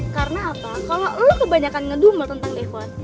karena apa kalo lo kebanyakan ngedumel tentang devon